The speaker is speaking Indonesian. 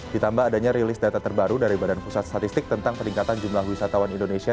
ditambah adanya rilis data terbaru dari badan pusat statistik tentang peningkatan jumlah wisatawan indonesia